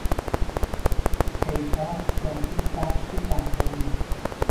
پگاه شادی بخش بهاری